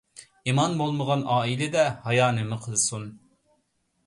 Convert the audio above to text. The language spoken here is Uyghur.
ئىمان بولمىغان ئائىلىدە ھايا نېمە قىلسۇن؟